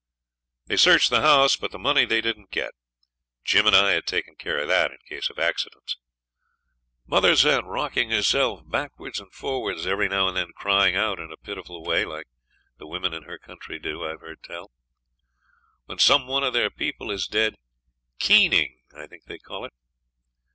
They searched the house, but the money they didn't get. Jim and I had taken care of that, in case of accidents. Mother sat rocking herself backwards and forwards, every now and then crying out in a pitiful way, like the women in her country do, I've heard tell, when some one of their people is dead; 'keening', I think they call it.